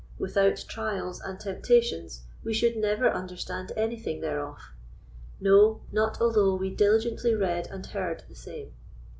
Without trials and temptations we should never understand anything thereof; no, not although we diligently read and heard the same.